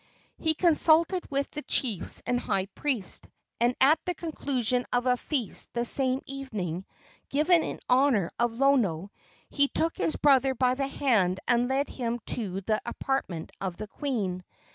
He consulted with the chiefs and high priest, and at the conclusion of a feast the same evening, given in honor of Lono, he took his brother by the hand and led him to the apartment of the queen.